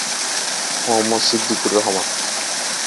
Mohammad Siddiqur Rahman